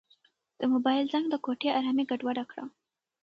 د موبایل زنګ د کوټې ارامي ګډوډه کړه.